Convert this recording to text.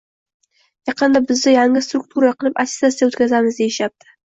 yaqinda bizda yangi struktura qilib attestatsiya o‘tkazamiz deyishyapti.